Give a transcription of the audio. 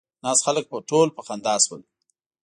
ناست خلک ټول په خندا شول.